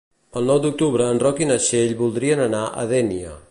El nou d'octubre en Roc i na Txell voldrien anar a Dénia.